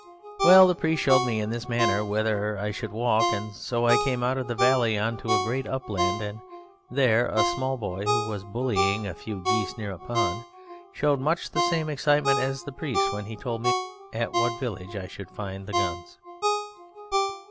Well, the priest showed me in this manner whither I should walk, and so I came out of the valley on to a great upland, and there a small boy (who was bullying a few geese near a pond) showed much the same excitement as the priest when he told me at what village I should find the guns.